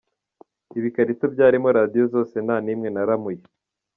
Ibikarito byarimo radiyo zose nta n’imwe naramuye.